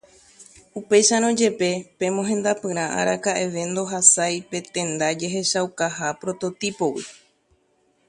Aun así, el sistema nunca fue más allá que la etapa de prototipo.